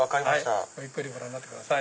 ゆっくりご覧になってください。